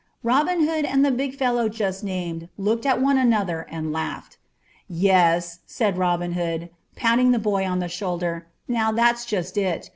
Robin Hood and the big fellow just named looked at one another and laughed. "Yes," said Robin Hood, patting the boy on the shoulder, "now that's just it.